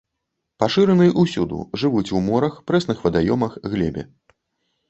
Пашыраны ўсюды, жывуць у морах, прэсных вадаёмах, глебе.